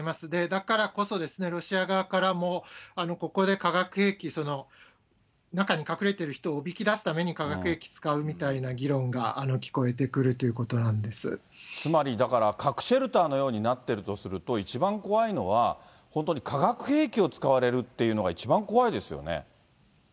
だからこそロシア側からもここで化学兵器、中に隠れている人をおびき出すために化学兵器使うみたいな議論がつまり、だから核シェルターのようになっているとすると、一番怖いのは、本当に化学兵器を使われるっていうのが、一番怖いですよね。